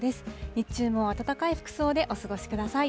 日中も暖かい服装でお過ごしください。